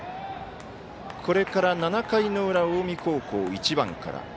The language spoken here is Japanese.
これから７回の裏近江高校、１番から。